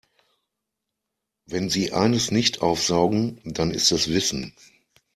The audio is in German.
Wenn sie eines nicht aufsaugen, dann ist es Wissen.